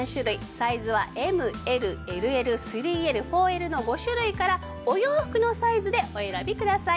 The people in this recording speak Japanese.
サイズはＭＬＬＬ３Ｌ４Ｌの５種類からお洋服のサイズでお選びください。